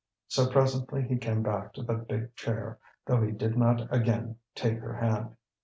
So presently he came back to the big chair, though he did not again take her hand.